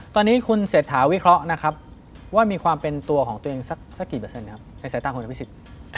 ตอนนี้คุณเศรษฐาวิเคราะห์นะครับว่ามีความเป็นตัวของตัวเองสักกี่เปอร์เซ็นครับในสายตาคุณอภิษฎ